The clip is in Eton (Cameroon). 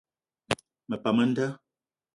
Me pam a nda.